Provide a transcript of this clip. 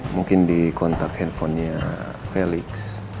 mungkin di kontak handphonenya felix